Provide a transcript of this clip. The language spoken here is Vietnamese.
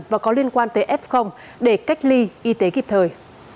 và có liên quan tới f để cách ly y tế kịp thời